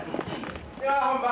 では本番。